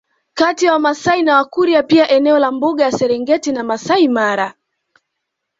Kati ya wamasai na wakurya pia eneo la mbuga ya serengeti na masai mara